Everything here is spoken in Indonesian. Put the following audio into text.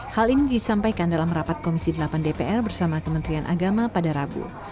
hal ini disampaikan dalam rapat komisi delapan dpr bersama kementerian agama pada rabu